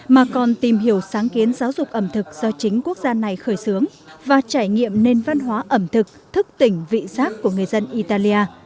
mà còn tìm hiểu sáng kiến giáo dục ẩm thực do chính quốc gia này khởi xướng và trải nghiệm nền văn hóa ẩm thực thức tỉnh vị xác của người dân italia